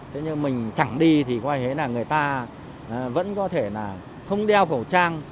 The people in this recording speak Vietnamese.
thế nhưng mình chẳng đi thì coi thế là người ta vẫn có thể là không đeo khẩu trang